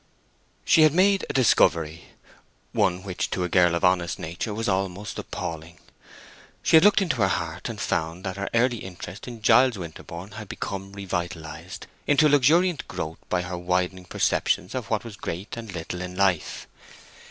She had made a discovery—one which to a girl of honest nature was almost appalling. She had looked into her heart, and found that her early interest in Giles Winterborne had become revitalized into luxuriant growth by her widening perceptions of what was great and little in life.